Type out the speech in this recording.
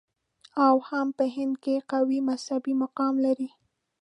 او هم په هند کې قوي مذهبي مقام لري.